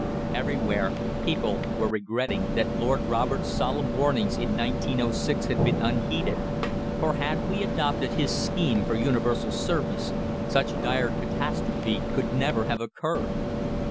Everywhere people were regretting that Lord Roberts' solemn warnings in 1906 had been unheeded, for had we adopted his scheme for universal service such dire catastrophe could never have occurred.